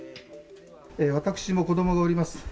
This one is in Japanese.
私も子どもがおります。